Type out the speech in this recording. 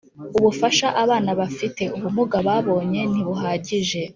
ubufasha Abana bafite ubumuga babonye ntibuhagije